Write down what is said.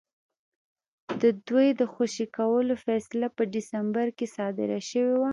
د دوی د خوشي کولو فیصله په ډسمبر کې صادره شوې وه.